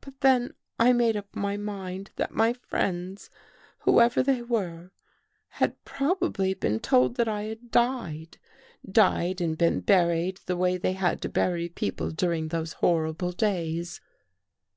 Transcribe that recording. But then I made up my mind that my friends, whoever they were, had probably been told that I had died. Died 293 THE GHOST GIRL and been buried the way they had to bury people during those horrible days.